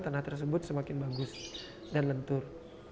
tanah tersebut semakin bagus dan lentur